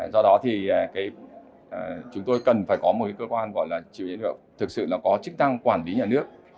do đó thì chúng tôi cần phải có một cơ quan gọi là chịu trách nhiệm thực sự là có chức năng quản lý nhà nước